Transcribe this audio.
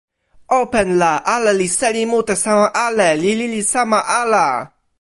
open la ale li seli mute sama ale li lili sama ala.